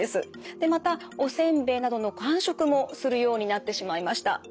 でまたお煎餅などの間食もするようになってしまいました。